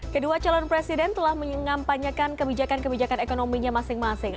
kedua calon presiden telah mengampanyekan kebijakan kebijakan ekonominya masing masing